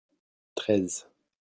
treize.